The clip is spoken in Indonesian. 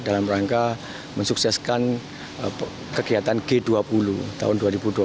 dalam rangka mensukseskan kegiatan g dua puluh tahun dua ribu dua puluh